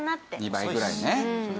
２倍ぐらいね。